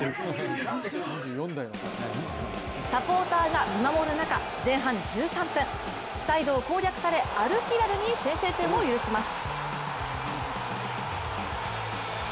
サポーターが見守る中前半１３分、サイドを攻略され、アルヒラルに先制点を許します。